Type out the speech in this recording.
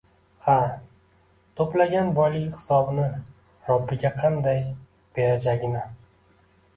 Ha, to'plagan boyligi hisobini Robbiga qanday berajagini